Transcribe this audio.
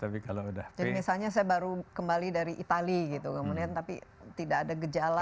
jadi misalnya saya baru kembali dari itali gitu kemudian tapi tidak ada gejala